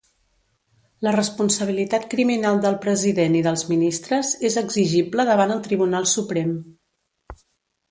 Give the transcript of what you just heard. La responsabilitat criminal del President i dels ministres és exigible davant el Tribunal Suprem.